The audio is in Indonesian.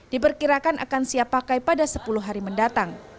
diperkirakan akan siap pakai pada sepuluh hari mendatang